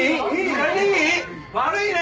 悪いね！